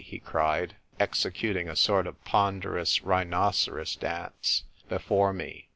he cried, executing a sort of ponderous rhinoceros dance before me.